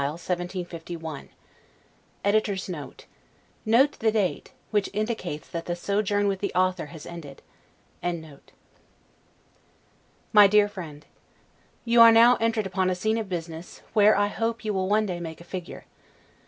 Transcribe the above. LETTER CLIII LONDON, December 19, O. S. 1751 [Note the date, which indicates that the sojourn with the author has ended.] MY DEAR FRIEND: You are now entered upon a scene of business, where I hope you will one day make a figure.